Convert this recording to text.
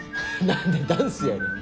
何でダンスやねん。